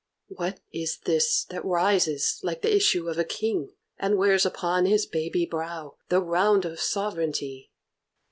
"What is this that rises like the issue of a King, and wears upon his baby brow the round of sovereignty?"